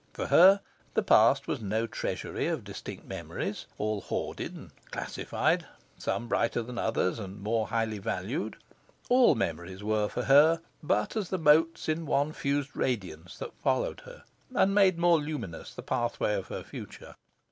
For her the past was no treasury of distinct memories, all hoarded and classified, some brighter than others and more highly valued. All memories were for her but as the motes in one fused radiance that followed her and made more luminous the pathway of her future.